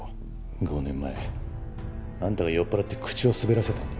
５年前あんたが酔っ払って口を滑らせたんだ。